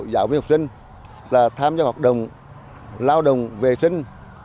giáo viên học sinh là tham gia hoạt động lao động vệ sinh